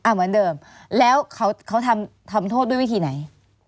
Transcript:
เหมือนเดิมแล้วเขาทำโทษด้วยวิธีไหน